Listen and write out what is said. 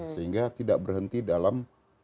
sehingga tidak berhenti dalam